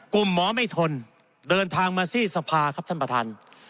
หมอไม่ทนเดินทางมาที่สภาครับท่านประธาน